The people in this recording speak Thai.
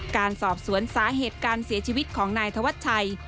การสอบสวนสาเหตุการเสียชีวิตของนายธวัชชัย